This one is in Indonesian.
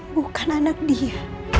bukan anak dia